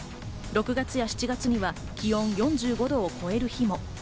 ６月や７月には気温４５度を超える日も。